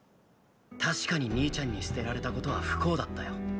確かに兄ちゃんに捨てられたことは不幸だったよ。